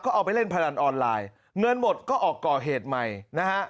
เอาไปเล่นพนันออนไลน์เงินหมดก็ออกก่อเหตุใหม่นะฮะ